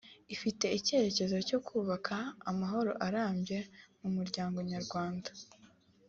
Ifite icyerekezo cyo kubaka amahoro arambye mu muryango Nyarwanda